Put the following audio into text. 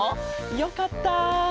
よかった。